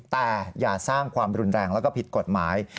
แต่อย่าสร้างความรุนแรงแล้วก็ผิดกฎหมาย